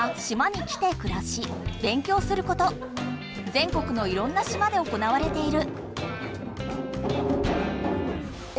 ぜん国のいろんな島で行われている。